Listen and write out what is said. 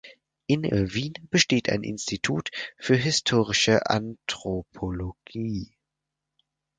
In Wien besteht ein Institut für Historische Anthropologie.